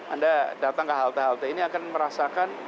anda datang ke halte halte ini akan merasakan